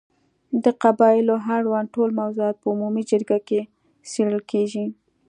د قبایلو اړوند ټول موضوعات په عمومي جرګې کې څېړل کېږي.